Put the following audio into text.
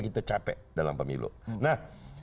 kita capek dalam pemilu nah